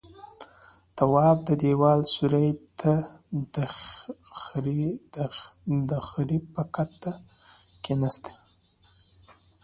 تواب د دېوال سيوري ته د خرې پر کته کېناست.